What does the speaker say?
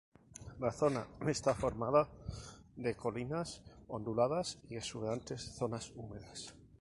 La zona está formada de colinas onduladas y exuberantes zonas húmedas.